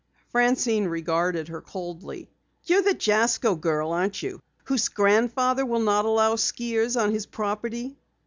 Francine regarded her coldly. "You're the Jasko girl, aren't you, whose grandfather will not allow skiers on his property?"